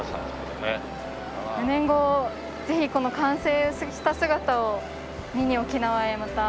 ４年後ぜひこの完成した姿を見に沖縄へまた。